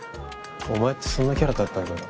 お前ってそんなキャラだったんだな。